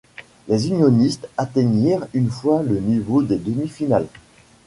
Les Unionistes atteignirent une fois le niveau des demi-finales.